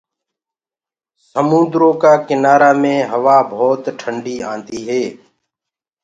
سموندرو ڪآ ڪِنآرآ مي هوآ ڀوت ٽنڊي آندي هي۔